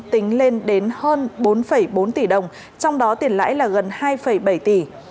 tính lên đến hơn bốn bốn tỷ đồng trong đó tiền lãi là gần hai bảy tỷ